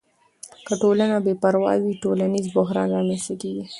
که ټولنه بې پروا وي، ټولنیز بحران رامنځته کیږي.